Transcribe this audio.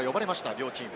両チーム。